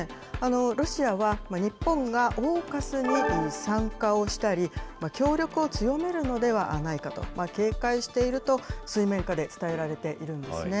ロシアは、日本がオーカスに参加をしたり、協力を強めるのではないかと警戒していると、水面下で伝えられているんですね。